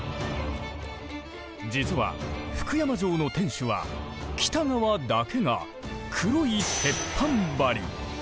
実は福山城の天守は北側だけが黒い鉄板張り。